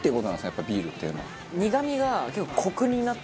やっぱビールっていうのは。